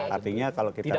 artinya kalau kita lihat